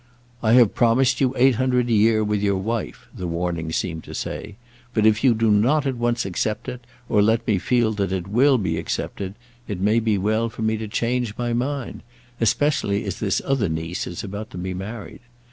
"I have promised you eight hundred a year with your wife," the warning seemed to say. "But if you do not at once accept it, or let me feel that it will be accepted, it may be well for me to change my mind especially as this other niece is about to be married.